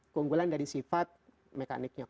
keunggulan dari sifat mekaniknya